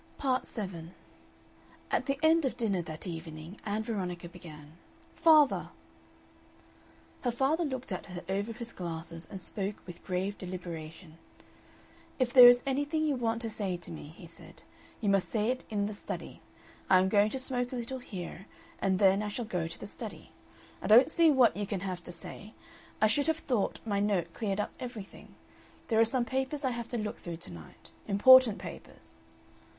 Part 7 At the end of dinner that evening Ann Veronica began: "Father!" Her father looked at her over his glasses and spoke with grave deliberation; "If there is anything you want to say to me," he said, "you must say it in the study. I am going to smoke a little here, and then I shall go to the study. I don't see what you can have to say. I should have thought my note cleared up everything. There are some papers I have to look through to night important papers."